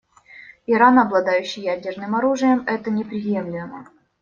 Иран, обладающий ядерным оружием, — это неприемлемо.